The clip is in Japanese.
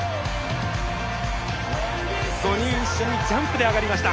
５人一緒にジャンプで上がりました。